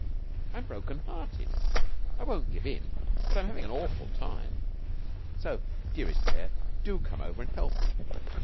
I am broken hearted. I won't give in, but I am having an awful time. So, dearest Claire, do come over and help me.